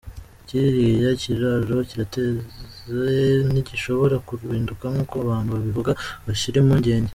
Kiriya kiraro kirateze ntigishobora kuriduka nk’uko abantu babivuga, bashire impungenge.